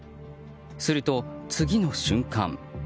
すると、次の瞬間。